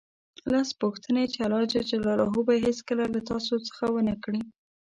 لس پوښتنې چې الله ج به یې هېڅکله له تاسو څخه ونه کړي